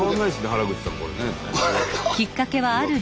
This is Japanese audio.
原口さんこれね。